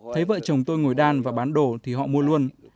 thấy vợ chồng tôi ngồi đan và bán đồ thì họ mua luôn